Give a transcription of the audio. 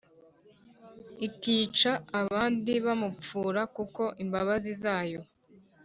Ikica abami b amapfura Kuko imbabazi zayo